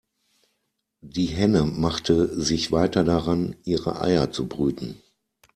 Die Henne machte sich weiter daran, ihre Eier zu brüten.